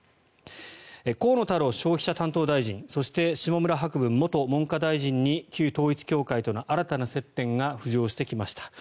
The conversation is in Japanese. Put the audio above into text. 河野太郎消費者担当大臣そして、下村博文元文科大臣に旧統一教会との新たな接点が浮上してきました。